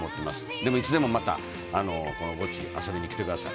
でもいつでもまた、このゴチに遊びに来てください。